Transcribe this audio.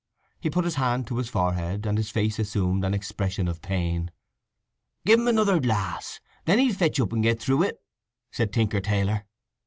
He put his hand to his forehead, and his face assumed an expression of pain. "Give him another glass—then he'll fetch up and get through it," said Tinker Taylor.